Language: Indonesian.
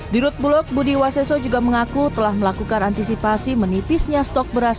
dirut bulog budi waseso juga mengaku telah melakukan antisipasi menipisnya stok beras